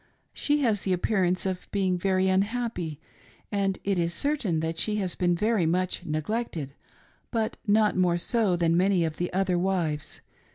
She has the appearance of being very unhappy, and it is certain that she has been very much neglected, but not more so than many of the other wives.